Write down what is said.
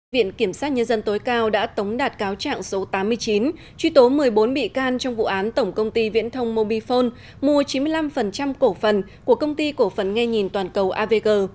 viện kiểm sát nhân dân tối cao đã tống đạt cáo trạng số tám mươi chín truy tố một mươi bốn bị can trong vụ án tổng công ty viễn thông mobifone mua chín mươi năm cổ phần của công ty cổ phần nghe nhìn toàn cầu avg